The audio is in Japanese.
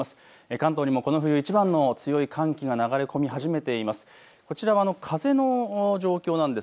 関東にもこの冬いちばんの強い寒気が流れ込み始めています。